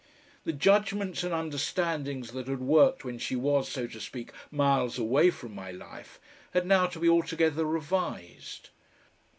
The judgments and understandings that had worked when she was, so to speak, miles away from my life, had now to be altogether revised.